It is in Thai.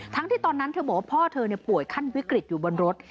ที่ตอนนั้นเธอบอกว่าพ่อเธอป่วยขั้นวิกฤตอยู่บนรถ